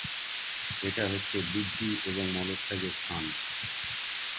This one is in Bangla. এটা হচ্ছে বৃদ্ধি এবং মলত্যাগের স্থান।